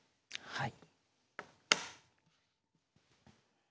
はい。